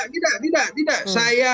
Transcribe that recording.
tidak tidak tidak saya